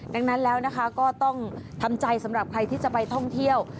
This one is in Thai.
ดังนั้นแล้วนะคะก็ต้องทำใจสำหรับใครที่จะไปท่องเที่ยว